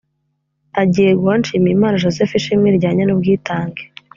agiye guha nshimiyimana joseph ishimwe rijyanye n’ubwitange